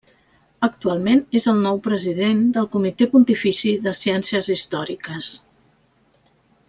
Actualment és el nou president del Comitè Pontifici de Ciències Històriques.